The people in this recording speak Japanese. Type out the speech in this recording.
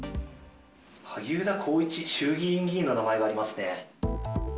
萩生田光一衆議院議員の名前がありますね。